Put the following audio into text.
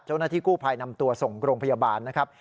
เจ้าหน้าที่กู้ภัยนำตัวส่งโรงพยาบาลนะครับ